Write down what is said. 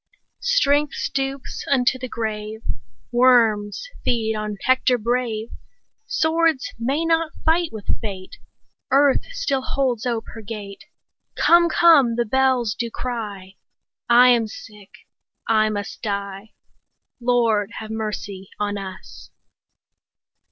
Strength stoops unto the grave, Worms feed on Hector brave; Swords may not fight with fate; Earth still holds ope her gate; 25 Come, come! the bells do cry; I am sick, I must die— Lord, have mercy on us!